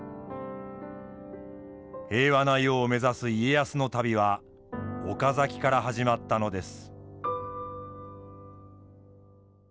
平和な世を目指す家康の旅は岡崎から始まったのです。